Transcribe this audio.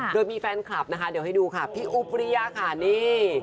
โดยมีแฟนคลับนะคะเดี๋ยวให้ดูค่ะพี่อุปริยาค่ะนี่